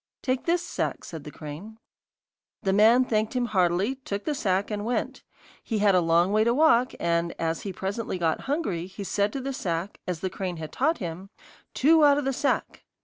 'Take this sack,' said the crane. The man thanked him heartily, took the sack, and went. He had a long way to walk, and as he presently got hungry, he said to the sack, as the crane had taught him: 'Two out of the sack!